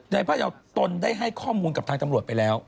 พระยาวตนได้ให้ข้อมูลกับทางตำรวจไปแล้ว